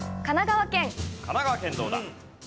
神奈川県どうだ？